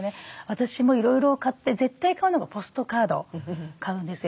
私もいろいろ買って絶対買うのがポストカード買うんですよ。